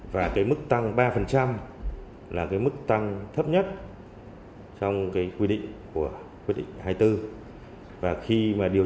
và cái mức tăng ba là cái mức tăng thấp nhất trong cái quy định của quyết định hai mươi bốn và khi mà điều